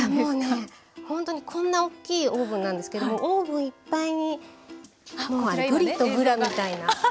もうねほんとにこんな大きいオーブンなんですけどオーブンいっぱいに「ぐりとぐら」みたいな。